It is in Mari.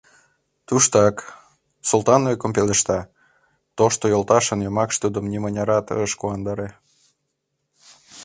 — Туштак, — Султан ӧкым пелешта, тошто йолташын йомакше тудым нимынярат ыш куандаре.